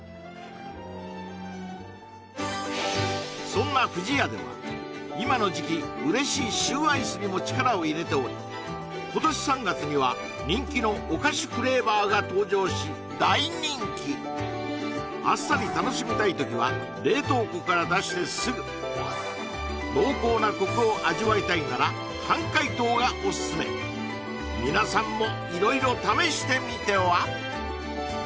そんな不二家では今の時期うれしいシューアイスにも力を入れており今年３月には人気のお菓子フレーバーが登場し大人気あっさり楽しみたい時は冷凍庫から出してすぐ濃厚なコクを味わいたいなら半解凍がおすすめ皆さんも色々試してみては？